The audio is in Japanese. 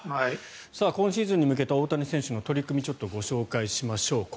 今シーズンに向けた大谷選手の取り組みをご紹介しましょう。